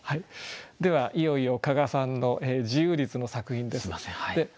ではいよいよ加賀さんの自由律の作品です。